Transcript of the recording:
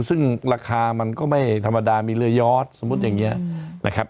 ซึ่งราคามันก็ไม่ธรรมดามีเรือยอดสมมุติอย่างนี้นะครับ